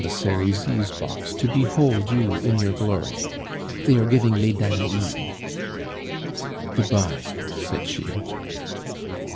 de Serizy's box to behold you in your glory. They are giving Les Danaides." "Good bye," said she.